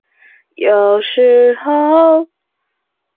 有时候。